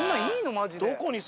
マジで。